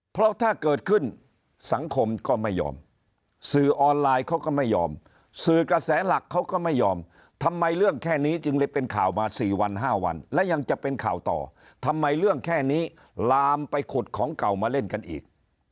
เพราะถ้าเกิดขึ้นสังคมก็ไม่ยอมสื่อออนไลน์เขาก็ไม่ยอมสื่อกระแสหลักเขาก็ไม่ยอมทำไมเรื่องแค่นี้จึงเลยเป็นข่าวมา๔วัน๕วันและยังจะเป็นข่าวต่อทำไมเรื่องแค่นี้ลามไปขุดของเก่ามาเล่นกันอีก